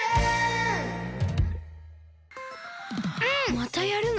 またやるの？